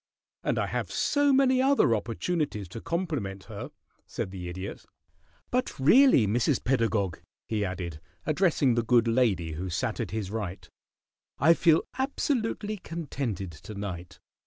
"And I have so many other opportunities to compliment her," said the Idiot. "But really, Mrs. Pedagog," he added, addressing the good lady who sat at his right, "I feel absolutely contented to night.